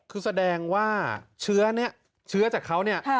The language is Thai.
คือแสดงว่าเชื้อเนี่ยเชื้อจากเขาเนี่ย